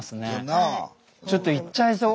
ちょっと行っちゃいそう。